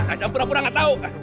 gak ada pura pura gak tau